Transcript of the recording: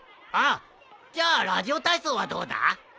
あっじゃあラジオ体操はどうだ？